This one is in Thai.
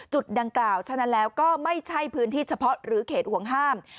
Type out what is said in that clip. จุดดังกล่าวฉะนั้นแล้วก็ไม่ใช่พื้นที่เฉพาะหรือเขตห่วงห้าม